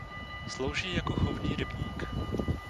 Slouží jako chovný rybník.